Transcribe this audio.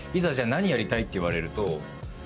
「何やりたい？」って言われると。